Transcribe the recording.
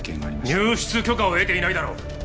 入室許可を得ていないだろう？